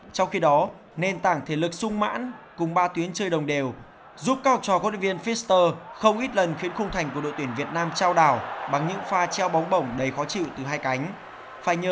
trong khi đó nền tảng thể lực sung mãn cùng ba tuyến chơi đồng đều giúp cao trò quân đội viên pfister không ít lần khiến khung thành của đội tuyển việt nam trao đảo bằng những pha treo bóng bổng đầy khó chịu từ hai cánh